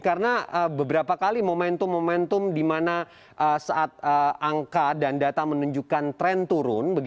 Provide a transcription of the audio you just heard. karena beberapa kali momentum momentum di mana saat angka dan data menunjukkan tren turun